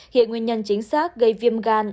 hiện nguyên nhân chính xác gây viêm gan